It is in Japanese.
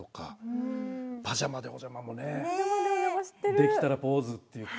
できたらポーズって言って。